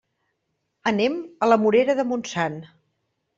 Anem a la Morera de Montsant.